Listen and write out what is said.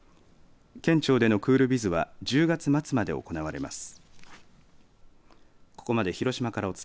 県庁でのクールビズは１０月末まで行われます。